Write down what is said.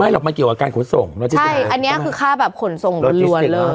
หรอกมันเกี่ยวกับการขนส่งแล้วจริงใช่อันนี้คือค่าแบบขนส่งลวนเลย